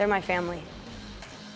mereka adalah keluarga saya